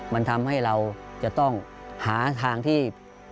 มันทำให้เราจะต้องหาทางที่